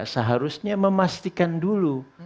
seharusnya memastikan dulu